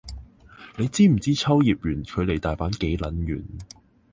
你知唔知秋葉原距離大阪幾撚遠